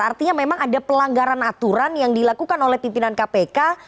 artinya memang ada pelanggaran aturan yang dilakukan oleh pimpinan kpk